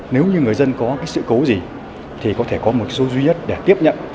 nếu như người dân có sự cố gì thì có thể có một số duy nhất để tiếp nhận